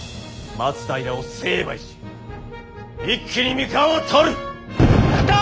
松平を成敗し一気に三河を取る！来た！